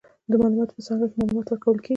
د معلوماتو په څانګه کې، معلومات ورکول کیږي.